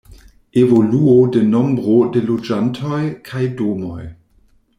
Evoluo de nombro de loĝantoj kaj domoj.